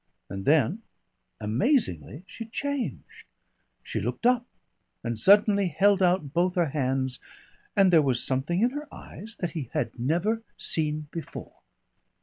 And then, amazingly, she changed. She looked up, and suddenly held out both her hands, and there was something in her eyes that he had never seen before.